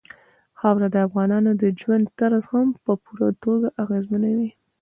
خاوره د افغانانو د ژوند طرز هم په پوره توګه اغېزمنوي.